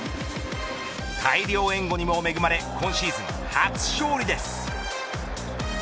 大量援護にも恵まれ今シーズン初勝利です。